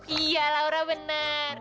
iya laura benar